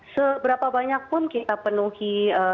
seberapa banyak pun kita penuhi